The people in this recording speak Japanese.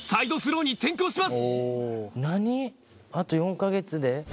何⁉あと４か月で？